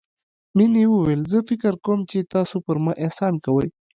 مينې وويل زه فکر کوم چې تاسو پر ما احسان کوئ.